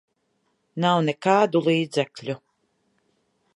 Nav nekādu līdzekļu.